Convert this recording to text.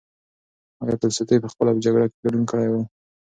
ایا تولستوی پخپله په جګړو کې ګډون کړی و؟